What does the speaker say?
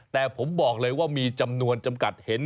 แต่ผมบอกเลยว่ามีจำนวนจำกัดเห็น